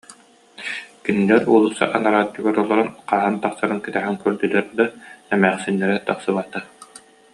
Кинилэр уулусса анараа өттүгэр олорон хаһан тахсарын кэтэһэн көрдүлэр да, эмээхсиннэрэ тахсыбата